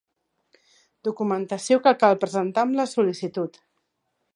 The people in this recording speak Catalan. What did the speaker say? Documentació que cal presentar amb la sol·licitud.